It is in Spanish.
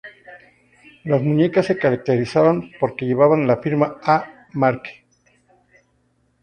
Las muñecas se caracterizaban porque llevaban la firma A. Marque.